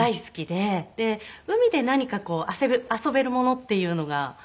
で海で何かこう遊べるものっていうのが。